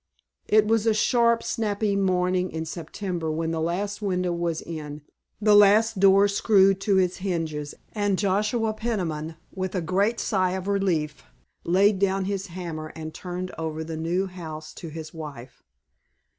It was a sharp, snappy morning in September when the last window was in, the last door screwed to its hinges, and Joshua Peniman, with a great sigh of relief, laid down his hammer and turned over the new house to his wife.